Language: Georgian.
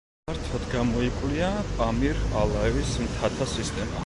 ფართოდ გამოიკვლია პამირ-ალაის მთათა სისტემა.